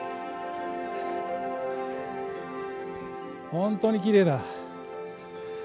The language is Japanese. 本当にきれいだ。